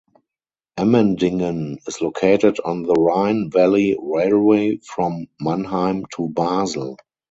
Emmendingen is located on the Rhine Valley Railway from Mannheim to Basel.